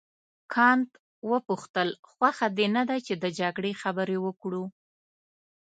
کانت وپوښتل خوښه دې نه ده چې د جګړې خبرې وکړو.